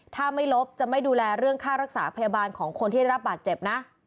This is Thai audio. ถ้าไม่ลบจะไม่ดูแลเรื่องค่ารักษาพยาบาลของคนที่ได้รับบาดเจ็บนะ